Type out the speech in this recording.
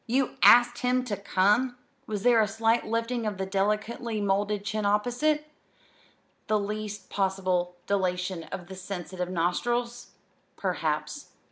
"You asked him to come!" Was there a slight lifting of the delicately moulded chin opposite? the least possible dilation of the sensitive nostrils? Perhaps.